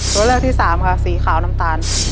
ตัวเลือกที่สามค่ะสีขาวน้ำตาล